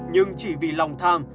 nhưng chỉ vì lòng tham